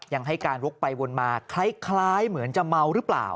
ยังให้การวกไปวนมาคล้ายเหมือนจะเมาหรือเปล่า